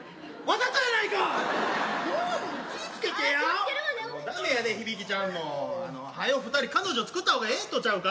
だめやで響ちゃんも。はよ二人彼女つくった方がええんとちゃうか？